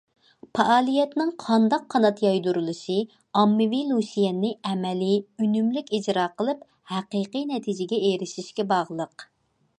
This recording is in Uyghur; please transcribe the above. پائالىيەتنىڭ قانداق قانات يايدۇرۇلۇشى ئاممىۋى لۇشيەننى ئەمەلىي، ئۈنۈملۈك ئىجرا قىلىپ، ھەقىقىي نەتىجىگە ئېرىشىشكە باغلىق.